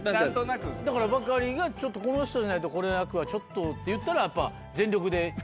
だからバカリが「この人じゃないとこの役はちょっと」って言ったらやっぱ全力で。